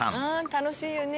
楽しいよね